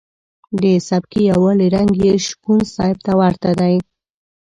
د سبکي یوالي رنګ یې شپون صاحب ته ورته دی.